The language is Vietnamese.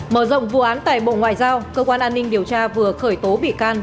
mở rộng vụ án tại bộ ngoại giao cơ quan an ninh điều tra vừa khởi tố bị can